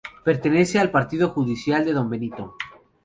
Pertenece al Partido judicial de Don Benito.